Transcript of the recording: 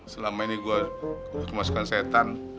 selama ini gue cuma suka setan